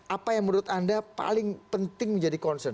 apa yang menurut anda paling penting menjadi concern